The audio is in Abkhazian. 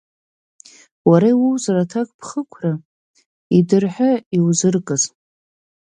Уара иуоузар аҭакԥхықәра, идырҳәа иузыркыз!